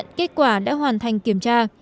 nhận kết quả đã hoàn thành kiểm tra